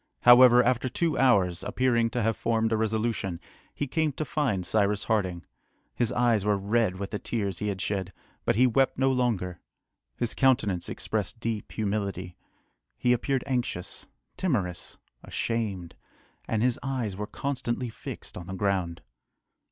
However, after two hours, appearing to have formed a resolution, he came to find Cyrus Harding. His eyes were red with the tears he had shed, but he wept no longer. His countenance expressed deep humility. He appeared anxious, timorous, ashamed, and his eyes were constantly fixed on the ground.